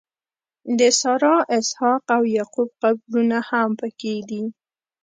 د سارا، اسحاق او یعقوب قبرونه هم په کې دي.